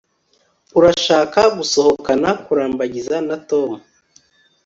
Urashaka gusohokana kurambagiza na Tom